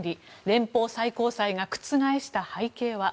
連邦最高裁が覆した背景は。